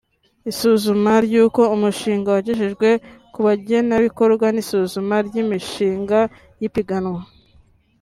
isuzuma ry’uko umushinga wagejejwe ku bagenerwabikorwa n’isuzuma ry’imishinga y’ipiganwa